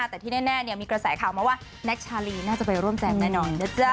แต่ที่แน่มีกระแสข่าวมาว่าแน็กชาลีน่าจะไปร่วมแจกแน่นอนนะจ๊ะ